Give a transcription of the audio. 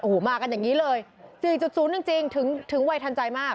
เฮ้ยเขียนเลยเหรอ